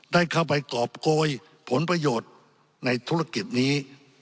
ได้เข้าไปกรอบโกยผลประโยชน์ในธุรกิจนี้